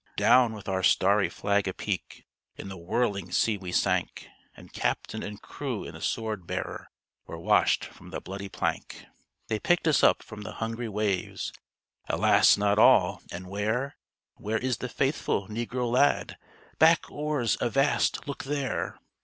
Down, with our starry flag apeak, In the whirling sea we sank, And captain and crew and the sword bearer Were washed from the bloody plank. They picked us up from the hungry waves; Alas! not all! "And where, Where is the faithful negro lad?" "Back oars! avast! look there!"